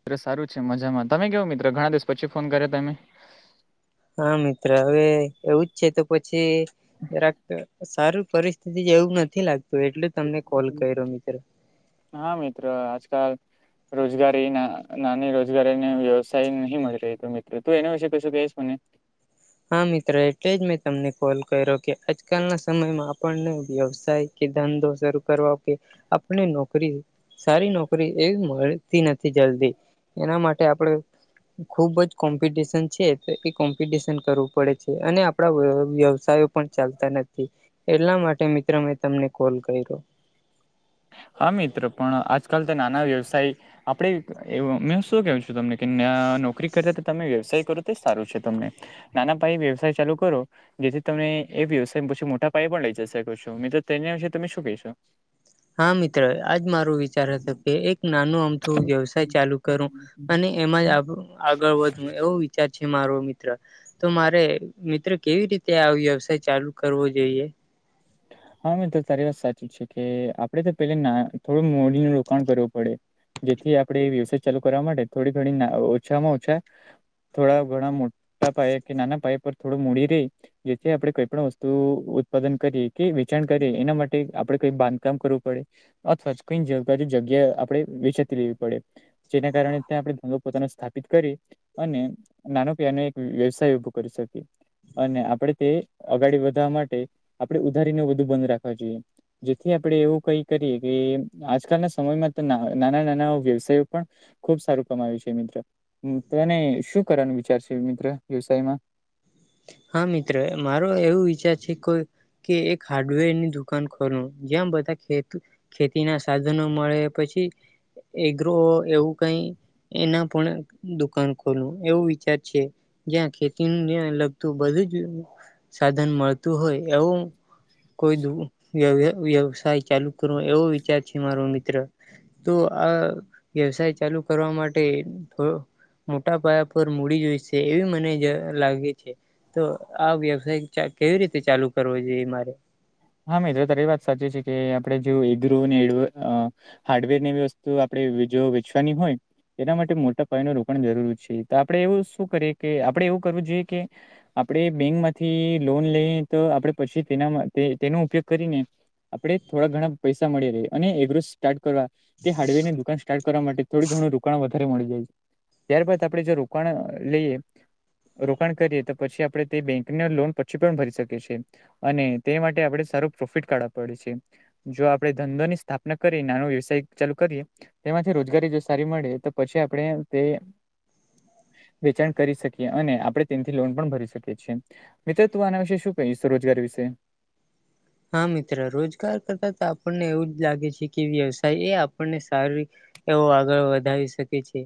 મિત્રો સારું છે મજામાં તમે કેવું મિત્રો ઘણા દિવસ પછી ફોન કર્યા તમે? હા મિત્ર હવે એવું જ છે તો પછી જરાક સારું તો રે. તેદી [inaudible] જેવું નથી લાગતું એટલ તમને કોલ કર્યો મિત્ર. હા મિત્ર આજકાલ રોજગારી ના નાની રોજગારીને વ્યવસાય નહી મળી રહ્યો મિત્રો તું એના વિશે કશું કહીશ મને. હા મિત્ર, એટલે જ મેં તમને કોલ કર્યો કે આજકાલના સમયમાં આપણને વ્યવસાય, કે ધંધો શરૂ કરવાઓ કે આપની નોકરી, સારી નોકરી એવી મળતી નથી જલ્દી એના માટે આપણે, ખુબ જ કોમ્પિટિશન છે તો એ કોમ્પિટશન કરવું પડે છે અને આપણા વ્યવસાયો પણ ચાલતા નથી. એટલા માટે મિત્ર મેં તમને કોલ કર્યો. હા મિત્ર, પણ આજકાલ તો નાના વ્યવસાય આપણે એવુ મે શું કેવું છું તમને કે ના નોકરી કરતા તમે વ્યવસાય કરો તો સારું છે તમને. નાના પાયે વ્યવસાય ચાલુ કરો. જેથી તમે એ વ્યવસાય પછી મોટા પાય પણ લઈ જશેકો છો મિત્ર, તેના વિશે તમે શું કહીશો? હા મિત્ર, આજ મારો વિચાર હતો કે એક નાનું આમ તું વ્યવસાય ચાલુ કરું અને એમાં જ આપણું. આગળ વધવું એવું વિચાર છે મારો મિત્ર. તો મારે મિત્ર કેવી રીતે આ વ્યવસાય ચાલુ કરવો જોઈએ. હા મિત્ર તારી વાત સાચી છે કે, આપડે તો પેલે ના થોડું મોડીનું રોકાણ કરવું પડે. જેથી આપણે વ્યવસાય ચાલુ કરવા માટે થોડી ઘણી ઓછામાં ઓછા. થોડા ઘણા મોટા પાયે કે નાના પાાય પર થોડું મૂડી રહી. જેથી આપડે કઈ પણ વસ્તુ ઉત્પાદન કરીએ. કે વેચાણ કરી એના માટે આપડે કઈ બાંધકામ કરવું પડે. અથવા કઈ બાજુ જગ્યાએ આપડે વેચાતી લેવી પડે. જેના કારણે ત્યાં આપણે ધંધો પોતાનું સ્થાપિત કરી. અને નાનો પ [unintelligible] એનો એક વ્યવસાય ઉભો કરી શકીએ. અને આપણે તે અગાડી વધવા માટે. આપડે ઉધારીને બધું બંધ રાખવા જોઈએ. જેથી આપણે એવું કઈ કરીએ કે આજકાલના સમયમાં તો ના આવે નાના નાના વ્યવસાય પણ. ખુબ સારું કમાયુ છે મિત્ર, તો એને શું કરવાનું વિચારશે મિત્ર વ્યવસાયમાં. હા મિત્ર, મારો એવું વિચાર છે કોઈ. કે એક હાર્ડવેર ની દુકાન ખોલુ જ્યાં બધા ખેત. ખેતીના સાધનો મળે પછી એગ્રો એવું કઈ. એના પણ દુકાન ખોલવું એવો વિચાર છે જ્યાં ખેતીની અલગ. તો બધું જ સાધન મળતું હોય એવું. કોઈ દુ વ્યય-વ્યવસાય ચાલુ કરવો એવો વિચાર છે મારો મિત્ર. તો આ વ્યવસાય ચાલુ કરવા માટે થ મોટા પાયા પર મૂડી જોઈશે છે એવી મને જ લાગે. છે તો આ વ્યવસાય કેવી રીતે ચાલુ કરવો જોઈએ મારે. હા મિત્ર તારી વાત સાચી છે કે આપડે જો એગ્રો ને અ. હાર્ડવેર ને એવી વસ્તુ આપણે જો વેચવાની હોય. એના માટે મોટા પાયા નો રોકાણ જરૂરી છે તો આપડે એવું શું કરીએ કે આપડે એવું કરવું જોઈએ કે. આપણે બેંક માંથી લોન લઈ તો આપણેે પછી તેના તેનો ઉપયોગ કરીને. આપડે થોડા ઘણા પૈસા મળી રહે. અને એગ્રો સ્ટાર્ટ કરવા. તે હાર્ડવેર ની દુકાન સ્ટાર્ટ કરવા માટે થોડું ઘણું રોકાણ વધારે મળી જાય છે. ત્યારબાદ આપડે જો રોકાણ લઈએ. રોકાણ કરીએ તો પછી આપણે તે બેંકને લોન પછી પણ ભરી શકી છે અને. તે માટે આપણે સારું પ્રોફિટ કાઢવા પડે છે. જો આપણેે ધંધો ની સ્થાપના કરીએ નાનો વ્યવસાય ચાલુ કરીએ. તેમાંથી રોજગારી જો સારી મળે તો પછી આપણે તે. વેચાણ કરી શકીએ અને આપણે તેના થી લોન પણ ભરી શકીએ છીએ. મિત્ર તું આના વિશે શું કહીશ સ્વરોજગાર વિશે. હા મિત્ર રોજગાર કરતા તો આપણને એવું જ લાગે છે કે વ્યવસાય એ આપણને સારી. એવું આગળ વધાવી શકે છે.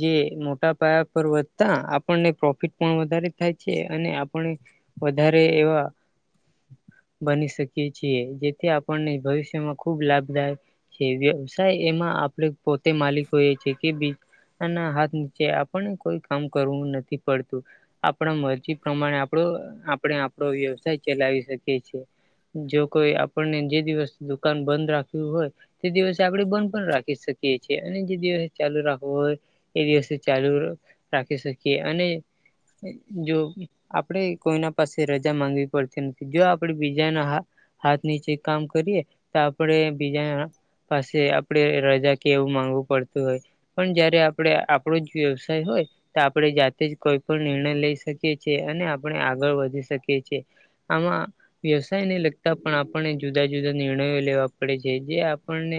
જે મોટા પાયા પર વધતા આપણને પ્રોફિટ પણ વધારે થાય છે અને આપણે. વધારે એવા. બની શકીએ છીએ, જેથી આપણને ભવિષ્યમાં ખુબ લાભદાયક. વ્યવસાય એમાં આપણે પોતે માલિકો એ છે કે બી. એના હાથ નીચે આપણ ને કોઈ કામ કરવું નથી પડતું. આપણા મરજી પ્રમાણે આપણું આપણે આપણો વ્યવસાય ચલાવી શકીએ છીએ. જો કોઈ આપણને જે દિવસ દુકાન બંધ રાખવું હોય. તે દિવસે આપણેે બંધ પણ રાખી શકીએ છીએ અને જે દિવસે ચાલુ રાખવું હોય. એ દિવસે ચાલુ રાખી શકીએ અને જો આપળે કોઈના પાસે રજા માંગવી પડતી નથી જો બીજાના હાથ નીચે કામ કરીએ તો આપણે બીજાના પાસે આપડે રજા કે એવું માંગવું પડતું હોય. પણ જયારે આપડે આપળુ જ વ્યવસાય હોય. તો આપણે જાતે જ કોઈ પણ નિર્ણય લઈ શકીએ છીએ અને આપણે આગળ વધી શકીએ છીએ. આમાં વ્યવસાય ને લગતા પણ આપણને જુદા જુદા નિર્ણયો લેવા પડે છે જે આપણને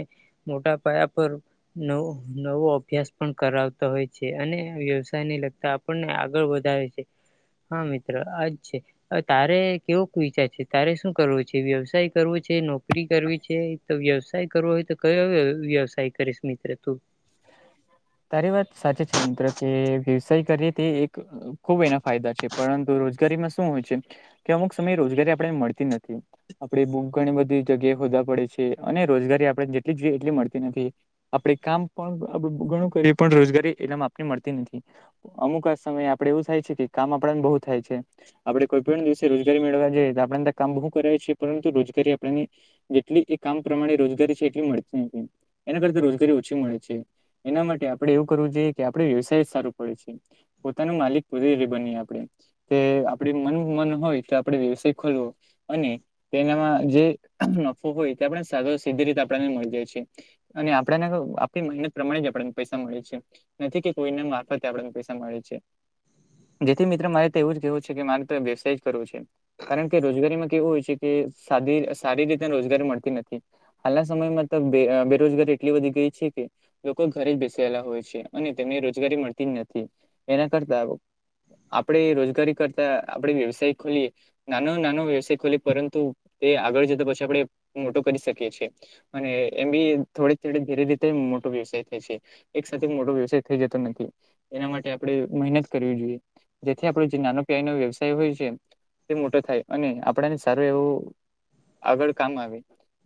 મોટા પાયા પર નવ નવો અભ્યાસ પણ કરાવતો હોય છે અને વ્યવસાયને લગતા આપણને આગળ વધાવે છે, હા મિત્ર આજ છે હવે તારે કેવોક વિચાર છે. તારે શું કરવું છે વ્યવસાય કરવો છે નોકરી કરવી છે તો વ્યવસાય કરવો હોય તો કયો વ્યવસાય કરીશ મિત્ર તું. તારી વાત સાચી છે મિત્ર કે વ્યવસાય કરીએ તે એક ખુબ એના ફાયદા છે પરંતુ રોજગારીમાં શું હોય છે. કે અમુક સમયે રોજગારી આપડે મળતી નથી. આપે બૂ ઘણી બધી જગ્યાએ હોદવા પડે છે અને રોજગારી આપડને જેટલી જોઈએ એટલી મળતી નથી. આપણે કામ પણ ઘણું કરીએ પણ એટલામાં આપને મળતી નથી. અમુક સમયે આપડે એવું થાય છે કે કામ આપડને બહુ થાય છે. આપડે પણ દિવસે રોજગારી મેળવવા જઈએ તો આપણેને કામ બહુ કરાએ છે પરંતુ રોજગારી આપણેની જેટલી એ કામ પ્રમાણે રોજગારી છે એટલી મળતી નથી એના કરતા રોજગારી ઓછી મળે. એના માટે આપડે એવું કરવું જોઈએ કે આપડે વ્યવસાય જ સારું પડે છે. પોતાનું માલિક [unintelligible] આપડે. કે આપડે મન મન હોય તો આપડે વ્યવસાય ખોલવો. અને તેનામાં જે નફો હોય તે સાધ સીધી રીતે આપડા ને મળી જાય છે. અને આપડે ને તો મહેનત પ્રમાણે જ આપણાને પૈસા મળે છે નથી કે કોઈને મારફતે આપણને પૈસા મળે છે. જેથી મિત્ર મારે તો એવું જ કેવું છે કે મારે તો વ્યવસાય જ કરવો છે. કારણ કે રોજગારીમાં કેવું હોય છે કે સાદી સારી રીતે રોજગારી મળતી નથી. હાલના સમયમાં તો બે બેરોજગારી એટલી વધી ગઈ છે કે લોકો ઘરે જ બેસેેલા હોય છે અને તેમને રોજગારી મળતી જ નથી એના કરતા આપડે રોજગારી કરતા આપણેે વ્યવસાય ખોલીએ. નાનો નાનો વ્યવસાય ખોલી પરંતુ તે આગળ જતા પછી આપણે મોટો કરી શકીએ છે. અને એમ બી થોડી થોડી ધીરે ધીરે રીતે મોટો વ્યવસાય થાય છે એક સાથે મોટો વ્યવસાય થઈ જતો નથી, એના માટે આપણે મહેનત કરવી જોઈએ. જેથી આપડો જે નાનો પિયાયનો વ્યવસાય હોય છે. તે મોટો થાય અને આપણાને સારું એવું આગળ કામ આવે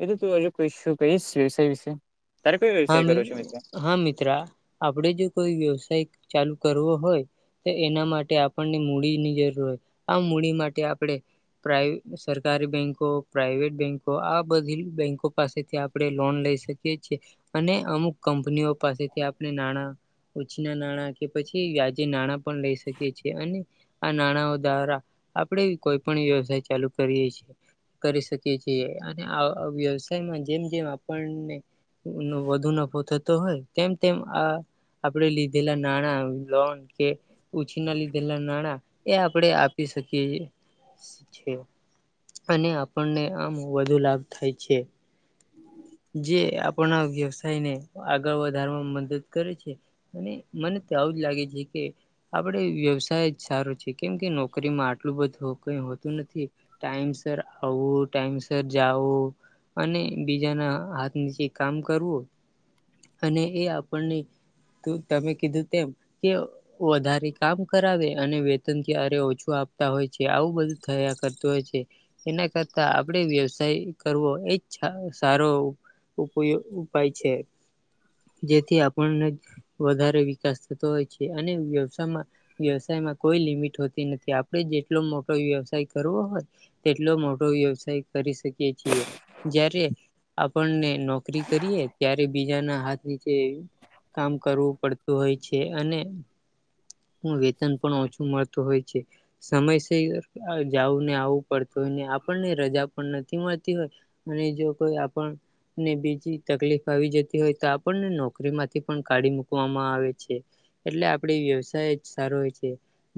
એ તો તું હજુ કહીશું કઈશ વ્યવસાય વિશે, તારે કોઈ હા મિ હા મિત્રા આપડે જો કોઈ વ્યવસાય ચાલુ કરવો હોય તો એના માટે આપણને મૂડીની જરૂર હોય આ મૂડી માટે આપણે પ્રાઈ સરકારી બેન્કો પ્રાઈવેટ બેન્કો આ બધી બેન્કો પાસેથી આપણે લોન લઈ શકી એ છે અને અમુક કંપનીઓ પાસેથી આપણે નાણા ઉછીના નાણાં કે પછી વ્યાજે નાણા પણ લેઇ શકે છે અને આ નાણાંઓ દ્વારા આપણેે કોઈ પણ વ્યવસાય ચાલુ કરીએ છીએ. કરી શકીએ છીએ અને આ વ્યવસાયમાં જેમ જેમ આપણને નો વધુ નફો થતો હોય તેમ તેમ આ આપણેે લીધેલા નાણાં, લોન કે ઉછી ના લીધેલા નાણાં એ આપણેે આપી શકીએ. છે અને આપણને આમ વધુ લાભ થાય છે. જે આપણા વ્યવસાય ને આગળ વધારવામાં મદદ કરે છે. અને મને તો આવું જ લાગે છે કે આપડે વ્યવસાય જ સારો છે કેમ કે નોકરીમાં આટલું બધું કઈ હોતું નથી. ટાઈમસર આવું, ટાઈમસર જાવું અને બીજાના હાથ નીચે કામ કરવું અને એ આપણને તું તમે કીધું તેમ કે વધારે કામ કરાવે અને વેતન ક્યારે ઓછું આપતા હોય છે આવું બધું થયા કરતું હોય છે. એના કરતાં આપડે વ્યવસાય કરવો એ જ સારો ઉપયો ઉપાય છે જેથી આપણને વધારે વિકાસ થતો હોય છે અને વ્યવસાયમાં વ્યવસાયમાં કોઈ લિમિટ હોતી નથી. આપડે જેટલો મોટો વ્યવસાય કરવો હોય તેટલો મોટો વ્યવસાય કરી શકીએ છીએ. જ્યારે આપણને નોકરી કરીએ ત્યારે બીજાના હાથ નીચે કામ કરવું પડતું હોય છે અને વેતન પણ ઓછું મળતું હોય છે. સમયસર જાવું ને આવવું પડતું હોય ને આપણને રજા પણ નથી મળતી હોય. અને જો કોઈ આપણ ને બીજી તકલીફ આવી જતી હોય તો આપણને નોકરી માંથી પણ કાઢી મુકવામાં આવે છે. એટલે આપડે વ્યવસાય જ સારો હોય છે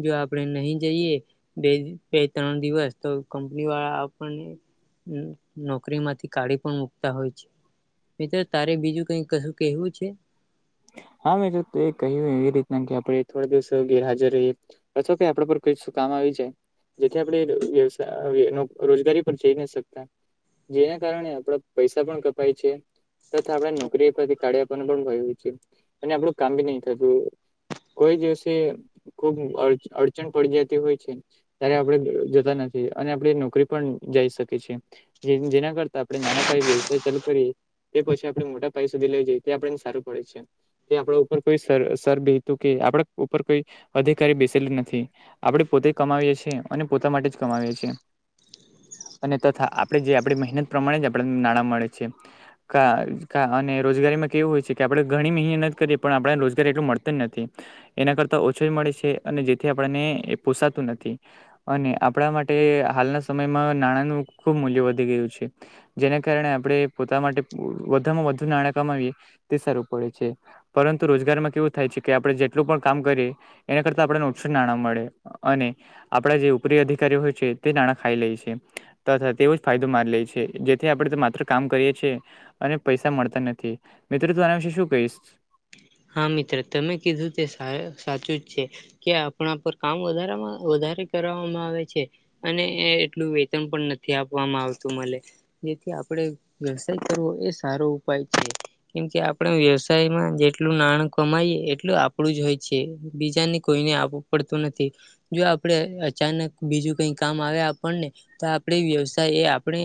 જો આપણે નહી જઈએ બે બે ત્રણ દિવસ તો કંપની વાળા આપણને નો નોકરીમાંથી કાઢી પણ મુકતા હોય છે. મિત્ર તારે બીજું કઈક કશું કેહેવું છે? [inaudible] હા મેં તો કહ્યું એ રીતના આપણેે થોડા દિવસ ગેરહાજર રહીએ અથવા કે આપડે પર કશું કામ આવી જાય જેથી આપણે વ્યવસા રોજગારી પર જઈ ન શકતા જેના કારણે આપડા પૈસા પણ કપાય છે તથા આપણે નોકરી કાઢ્યા પણ ભય છે અને આપડું કામ બી નઈ થતું કોઈ દિવસે ખુબ અડચણ પડી જતી હોય છે. ત્યારે આપણે જતા નથી અને આપણે નોકરી પણ જઈ શકીએ છે. જેના કરતા આપણે નાના પાયે વ્યવસાય ચાલુ કરીએ તે પછી આપડે મોટા પાય સુધી લઈએ તે આપડેને સારું પડે છે. કે આપડા ઉપર કોઈ સર સર બીતું કે આપડા ઉપર કોઈ અધિકારી બેસલુ નથી. આપણે પોતે કમાવીએ છીએ અને પોતા માટે જ કમાવીએ છીએ. અને તથા આપણે જે આપણી મહેનત પ્રમાણે જ આપણ ને નાણાં મળે છે. કાજ અને રોજગારી માં કેવું હોય છે કે આપણે ઘણી મહેનત કરીએ પણ આપણે રોજગારી એટલું મળતું જ નથી. એના કરતા ઓછુંય મળે છે અને જેથી આપણને પોસાતું નથી. અને આપણા માટે હાલના સમયમાં નાણાંનું ખુબ મૂલ્ય વધી ગયું છે. જેને કારણે આપણે પોતા માટે વધામાં વધુ નાણાં કમાવીએ તે સારું પડે છે. પરંતુ રોજગારમાં કેવું થાય છે કે આપડણે જેટલું પણ કામ કરીએ, એના કરતા આપણે નોટસ નાણાં મળે અને, આપણા જે ઉપરી અધિકારી હોય છે તે નાણાં ખાઈ લે છે. તથા તેવો જ ફાયદો મારી લે છે જેથી આપણે તો માત્ર કામ કરીએ છીએ અને પૈસા મળતા નથી. થી મિત્રો તું આના વિશેે શું કહીશ? હા મિત્ર તમે કીધું તે સાચું જ છે. કે આપણા પર કામ વધારામાં વધારે કરવામાં આવે છે. અને એટલું વેતન પણ નથી આપવામાં આવતું મને, જેથી આપણે વ્યવસાય કરવો એ સારો ઉપાય છે કેમ કે આપણે વ્યવસાયમાં, જેટલું નાણું કમાય એટલું આપણું જ હોય છે બીજાને કોઈને આપવું પડતું નથી. જો આપડે અચાનક બીજું કઈ કામ આવે આપણને, તો આપણે વ્યવસાય એ આપણે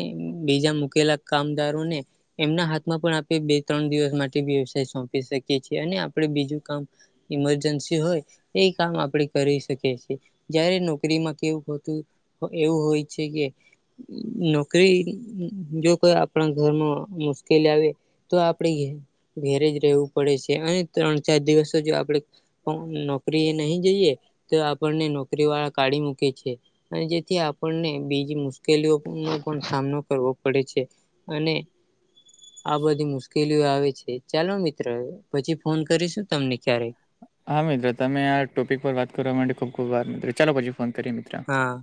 બીજા મૂકેલા કામદારોને, એમના હાથમાં પણ આપે બે ત્રણ દિવસ માટે વ્યવસાય સોંપી શ કીએ છે અને આપણે બીજું કામ ઇમરજન્સી હોય એ કામ આપણે કરી શકીએ છીએ. જયારે નોકરીમાં કેવું હોતું એવું હોય છે કે, નોકરી જો કોઈ આપણા ઘરમાં મુશ્કેલી આવે, તો આપડે ઘેરે જ રહેવું, પડે છે અને ત્રણ ચાર દિવસ જો આપણેે નોકરી એ નહી જઈએ, તો આપણને નોકરી વાળા કાઢી મૂકે છે. અને જેથી આપણને બીજી મુશ્કેલીઓનો પણ સામનો કરવો પડે છે. અને આ બધી મુશ્કેલીઓ આવે છે ચાલો મિત્ર પછી ફોન કરીશું તમને ક્યારેક, હા મિત્ર તમે આ ટોપિક પર વાત કરવા માટે ખુબ ખુબ આભાર મિત્રો ચાલો પછી ફોન કરીએ મિત્ર, હા,